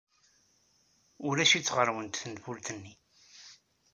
Ulac-itt ɣer-went tenfult-nni.